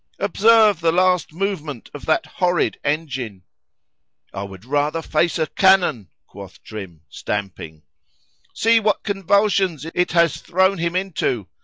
"Observe the last movement of that horrid engine!"—[I would rather face a cannon, quoth Trim, stamping.)—"See what convulsions it has thrown him into!